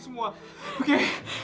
kamu nanggung semua